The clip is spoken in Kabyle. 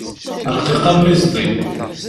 Ṛqiq am iẓḍi.